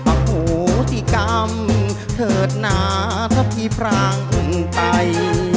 อ่าหูศิกรรมเทิดหนาทับทีพรางไป